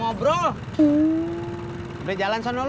jadi kita bisa siap siap aja